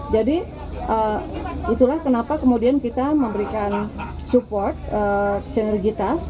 jadi itulah kenapa kemudian kita memberikan support sinergitas